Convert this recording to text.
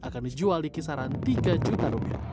menjual di kisaran rp tiga juta